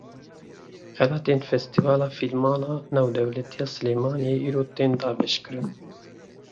Xelatên Festîvala Fîlman a Navdewletî ya Silêmaniyê îro tên dabeşkirin.